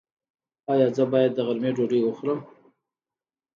ایا زه باید د غرمې ډوډۍ وخورم؟